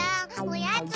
おやつ！